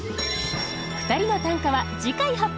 ２人の短歌は次回発表。